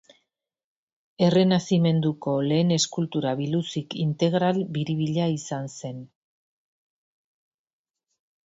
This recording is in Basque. Errenazimenduko lehen eskultura biluzik integral biribila izan zen.